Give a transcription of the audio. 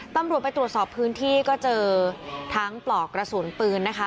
ตำรวจไปตรวจสอบพื้นที่ก็เจอทั้งปลอกกระสุนปืนนะคะ